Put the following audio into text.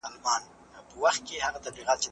زه اجازه لرم چي نان وخورم؟